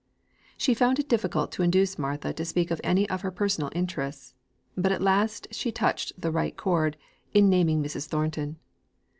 She found it difficult to induce Martha to speak of any of her personal interests; but at last she touched the right chord, in naming Mrs. Thornton.